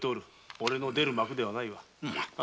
おれの出る幕ではないわ。